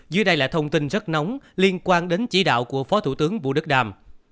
dưới đây là thông tin rất nóng liên quan đến chỉ đạo của phó thủ tướng vũ đức đàm